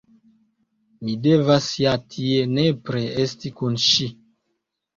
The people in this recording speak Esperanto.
Mi devas ja tie nepre esti kun ŝi.